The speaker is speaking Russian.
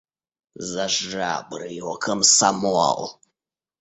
За жабры его, – комсомол!